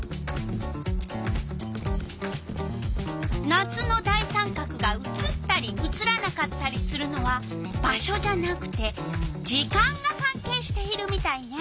夏の大三角が写ったり写らなかったりするのは場所じゃなくて時間がかんけいしているみたいね。